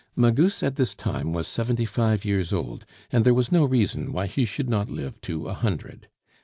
Magus at this time was seventy five years old, and there was no reason why he should not live to a hundred.